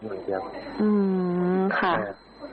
หนึ่งเดี๋ยวอือ